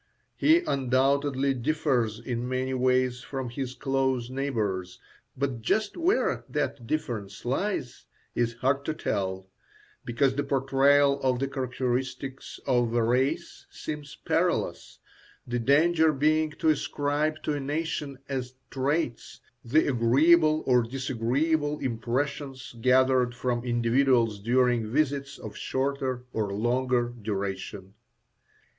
He undoubtedly differs in many ways from his close neighbours, but just where that difference lies is hard to tell, because the portrayal of the characteristics of a race seems perilous, the danger being to ascribe to a nation, as traits, the agreeable or disagreeable impressions gathered from individuals during visits of shorter or longer duration.